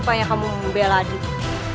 rupanya kamu membela adikku